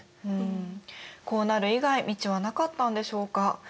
うんこうなる以外道はなかったんでしょうか。